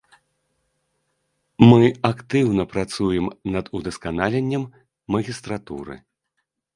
Мы актыўна працуем над удасканаленнем магістратуры.